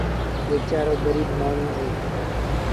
ويچآرو گريٚب مآڻهوٚٚݩ اهي۔